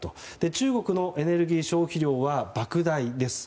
中国のエネルギー消費量は莫大です。